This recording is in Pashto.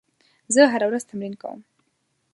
زه هره ورځ تمرین کوم.